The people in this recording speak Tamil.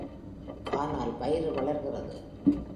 ஆனால் வயிறு வளர்கிறது.